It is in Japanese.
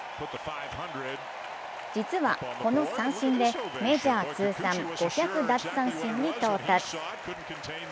実は、この三振でメジャー通算５００奪三振に到達。